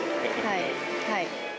はい。